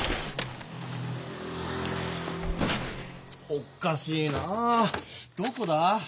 おかしいなどこだ？